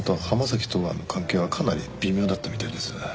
崎戸川の関係はかなり微妙だったみたいです。